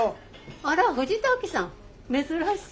あら藤滝さん珍しい。